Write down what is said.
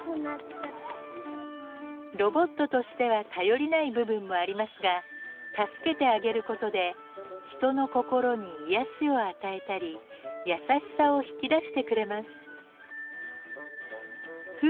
ロボットとしては頼りない部分もありますが助けてあげることで人の心に癒やしを与えたり優しさを引き出してくれます。